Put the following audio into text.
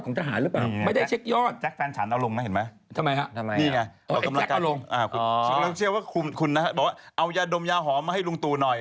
กำลังต่อยผู้ร้ายอยู่